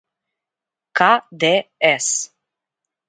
ка де ес